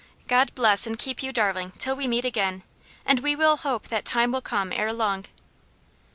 "God bless and keep you, darling, till we meet again, and we will hope that time will come ere long."